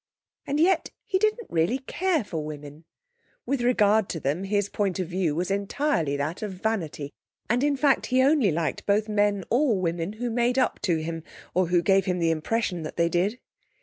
And yet he didn't really care for women. With regard to them his point of view was entirely that of vanity, and in fact he only liked both men or women who made up to him, or who gave him the impression that they did.